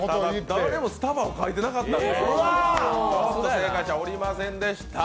誰もスタバを書いてなかったんですね。